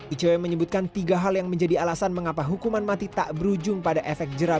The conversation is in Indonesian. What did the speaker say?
icw menyebutkan tiga hal yang menjadi alasan mengapa hukuman mati tak berujung pada efek jerah